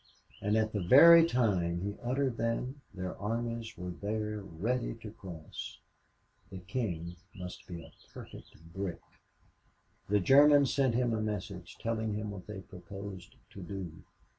and at the very time he uttered them their armies were there ready to cross. The King must be a perfect brick. The Germans sent him a message, telling him what they proposed to do.